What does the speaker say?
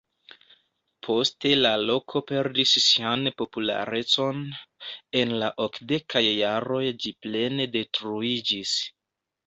Poste la loko perdis sian popularecon, en la okdekaj jaroj ĝi plene detruiĝis.